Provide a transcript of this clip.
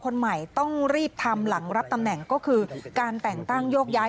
คนใหม่ต้องรีบทำหลังรับตำแหน่งก็คือการแต่งตั้งโยกย้าย